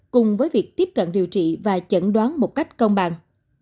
cùng với việc tiếp cận điều trị và chẩn đoán một cách công bằng